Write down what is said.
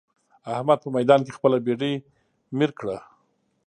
احمد په ميدان کې خپله بېډۍ مير کړه.